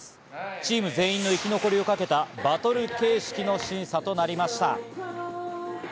チーム全員の生き残りをかけたバトル形式の審査となりました。